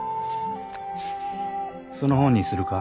その本にするか？